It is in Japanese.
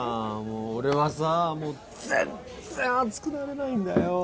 もう俺はさもう全然熱くなれないんだよ